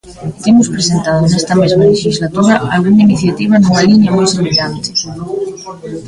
Temos presentado nesta mesma lexislatura algunha iniciativa nunha liña moi semellante.